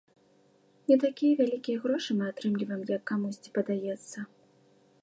Не такія вялікія грошы мы атрымліваем, як камусьці падаецца.